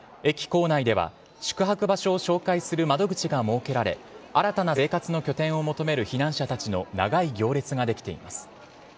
駅構内では宿泊場所を紹介する窓口が設けられ新たな生活の拠点を求める避難者たちの長い行列ができています。